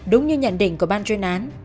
đúng như nhận định của ban chuyên án